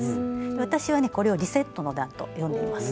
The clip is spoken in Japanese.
私はねこれを「リセットの段」と呼んでいます。